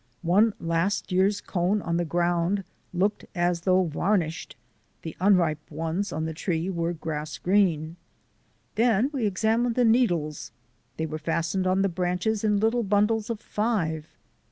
A last year's cone on the ground looked as though varnished; the unripe ones on the tree were grass green. Then we ex amined the needles; they were fastened on the branches in little bundles of five.